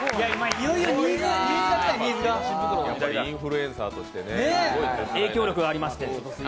インフルエンサーとしてね、すごい影響力がありますから。